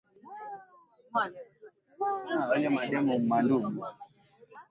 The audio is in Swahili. mwanamke aliyeokolewa kutoka kwenye maji aliadhithia ajali vizuri